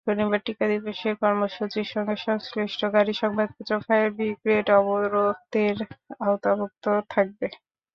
শনিবার টিকাদিবসের কর্মসূচির সঙ্গে সংশ্লিষ্ট গাড়ি, সংবাদপত্র, ফায়ার ব্রিগেড অবরোধের আওতামুক্ত থাকবে।